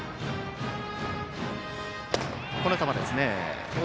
この球ですね。